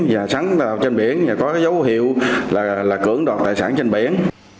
và sắn tàu trên biển và có dấu hiệu là cưỡng đọt tài sản trên biển